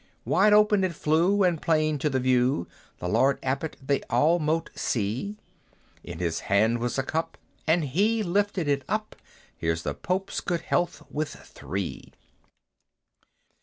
Wide open it flew, and plain to the view The Lord Abbot they all mote see; In his hand was a cup and he lifted it up, "Here's the Pope's good health with three!"